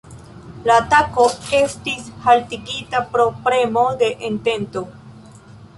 La atako estis haltigita pro premo de Entento.